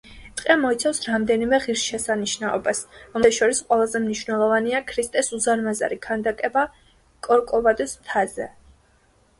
ტყე მოიცავს რამდენიმე ღირსშესანიშნაობას, რომელთა შორის ყველაზე მნიშვნელოვანია ქრისტეს უზარმაზარი ქანდაკება კორკოვადოს მთაზე.